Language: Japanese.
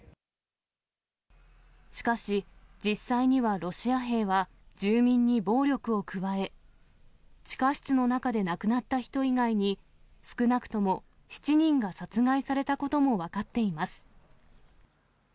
しかし、実際にはロシア兵は、住民に暴力を加え、地下室の中で亡くなった人以外に、少なくとも７人が殺害されたことも分かっています。